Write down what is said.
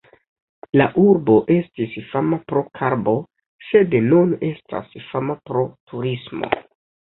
La urbo estis fama pro karbo, sed nun estas fama pro turismo.